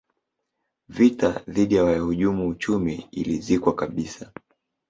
vita dhidi ya wahujumu uchumi ilizikwa kabisa